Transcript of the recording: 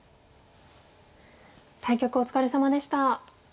対局お疲れさまでした。